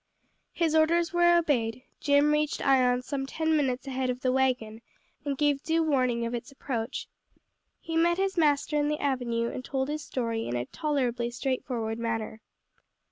His orders were obeyed, Jim reached Ion some ten minutes ahead of the wagon and gave due warning of its approach. He met his master in the avenue and told his story in a tolerably straightforward manner.